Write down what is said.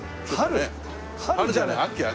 春じゃない秋秋。